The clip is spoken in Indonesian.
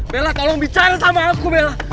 bella tolong bicara sama aku bella